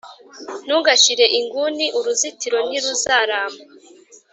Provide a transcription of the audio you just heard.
ntugashyire inguni, uruzitiro ntiruzaramba.